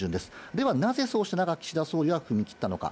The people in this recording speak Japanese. では、なぜそうした中、岸田総理は踏み切ったのか。